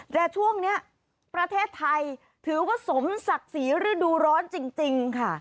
แต่ช่วงนี้ประเทศไทยถือว่าสมศักดิ์ศรีฤดูร้อนจริงค่ะ